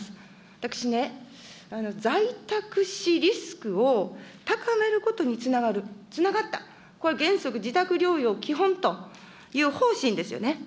私ね、在宅死リスクを高めることにつながる、つながった、これ原則自宅療養基本という方針ですよね。